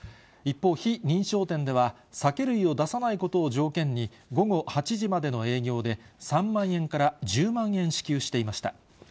一方、非認証店では、酒類を出さないことを条件に、午後８時までの営業で、３万円から１０万円支給していました。